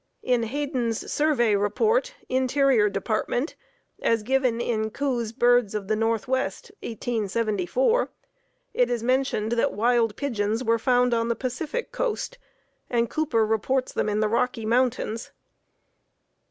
In Hayden's Survey Report, Interior Department, as given in Coues' "Birds of the Northwest," 1874, it is mentioned that wild pigeons were found on the Pacific coast, and Cooper reports them in the Rocky Mountains.